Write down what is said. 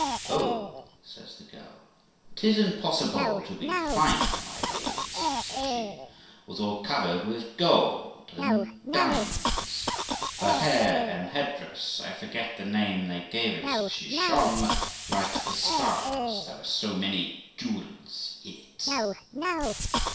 'Oh', says the girl, ''tis impossible to be finer; my lady's', says she, 'was all covered with gold and diamonds; her hair and head dress, I forget the name they gave it ', said she, ' shone like the stars, there were so many jewels in it.'